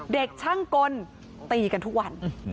เด็กช่างกลตีกันทุกวัน